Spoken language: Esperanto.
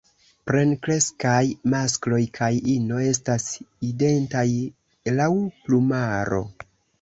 Plenkreskaj maskloj kaj ino estas identaj laŭ plumaro.